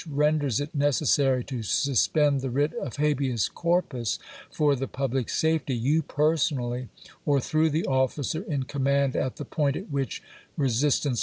renders it necessary to suspend the writ of habeas corpus sm^'^mH for the public safety, you personally, or through the Ke^giu*]J® officer in command at the point at which resistance p.